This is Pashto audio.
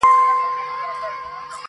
ټول دردونه یې په حکم دوا کېږي،